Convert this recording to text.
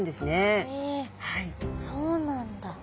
えそうなんだ。